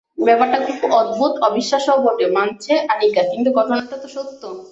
ব্যাপারটা খুব অদ্ভুত, অবিশ্বাস্যও বটে, মানছে আনিকা, কিন্তু ঘটনাটা তো সত্য।